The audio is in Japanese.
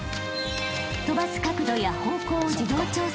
［飛ばす角度や方向を自動調整］